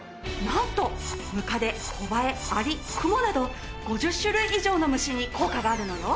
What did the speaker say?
なんとムカデコバエアリクモなど５０種類以上の虫に効果があるのよ。